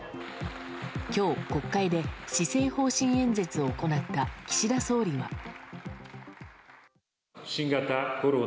今日、国会で施政方針演説を行った岸田総理は。